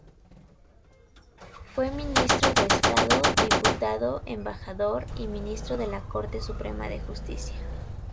Fue ministro de estado, diputado, embajador y ministro de la Corte Suprema de Justicia.